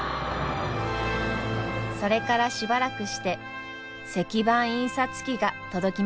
それからしばらくして石版印刷機が届きました。